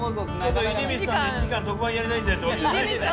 ちょっと出光さんで１時間特番やりたいんだよってわけじゃないんじゃない？